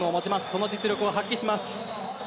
その実力を発揮します。